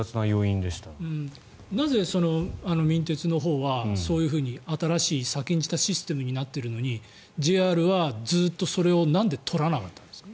なぜ民鉄のほうはそういうふうに先んじたシステムになっているのにＪＲはずっとそれを取らなかったんですか？